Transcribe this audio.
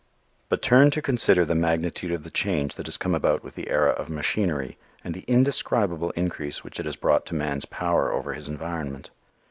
But turn to consider the magnitude of the change that has come about with the era of machinery and the indescribable increase which it has brought to man's power over his environment.